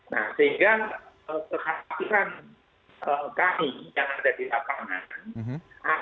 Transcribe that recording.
nah sehingga kehatian kami yang ada di lapangan